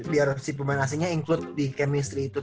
biar si pemain asingnya include di chemistry itu